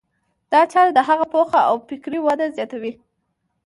دا چاره د هغه پوهه او فکري وده زیاتوي.